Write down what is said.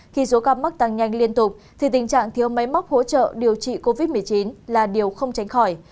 khi số ca mắc tăng nhanh liên tục thì tình trạng thiếu máy móc hỗ trợ điều trị covid một mươi chín là điều không tránh khỏi